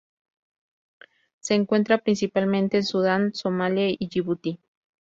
Se encuentra principalmente en Sudán, Somalia, y Yibuti.